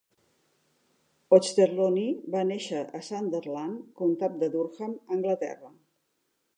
Auchterlonie va néixer a Sunderland, comtat de Durham, Anglaterra.